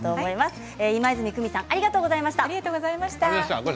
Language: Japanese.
今泉久美さんありがとうございました。